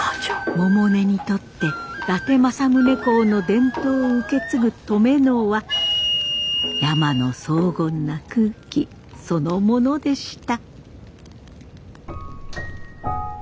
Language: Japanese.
百音にとって伊達政宗公の伝統を受け継ぐ登米能は山の荘厳な空気そのものでした。